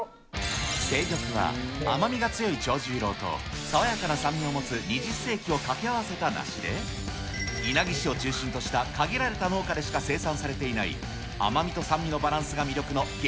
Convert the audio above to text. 清玉は、甘みが強い長十郎と爽やかな酸味を持つ二十世紀を掛け合わせた梨で、稲城市を中心とした限られた農家でしか生産されていない、甘みと酸味のバランスが魅力の、激